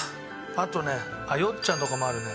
あとねよっちゃんとかもあるね。